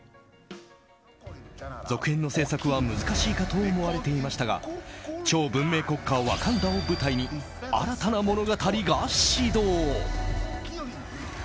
続編の制作は難しいかと思われていましたが超文明国家ワカンダを舞台に新たな物語が始動。